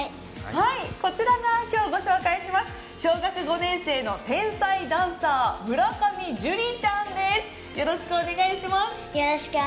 こちらが今日ご紹介します、小学５年生の天才ダンサー、村上樹李ちゃんです、よろしくお願いします。